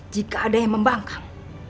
jika ada yang membangkang